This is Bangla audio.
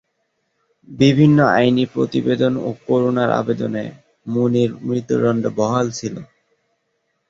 বিভিন্ন আইনি আবেদন ও করুণার আবেদনে মুনির মৃত্যুদণ্ড বহাল ছিল।